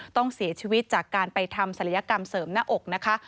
ต้องเสียชีวิตจากการไปทำศัลยกรรมเสริมหน้าอกนะคะ